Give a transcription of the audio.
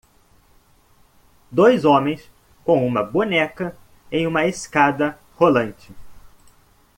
Dois homens com uma boneca em uma escada rolante.